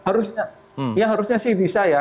harusnya ya harusnya sih bisa ya